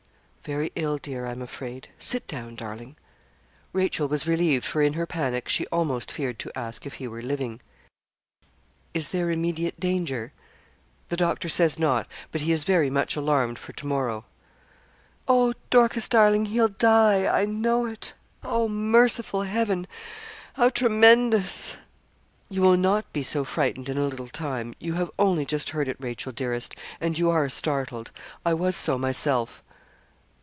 'Very ill, dear, I'm afraid sit down, darling.' Rachel was relieved, for in her panic she almost feared to ask if he were living. 'Is there immediate danger?' 'The doctor says not, but he is very much alarmed for to morrow.' 'Oh! Dorcas, darling, he'll die; I know it. Oh! merciful Heaven! how tremendous.' 'You will not be so frightened in a little time. You have only just heard it, Rachel dearest, and you are startled. I was so myself.'